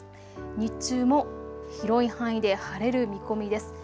日中も広い範囲で晴れる見込みです。